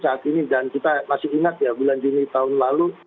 saat ini dan kita masih ingat ya bulan juni tahun lalu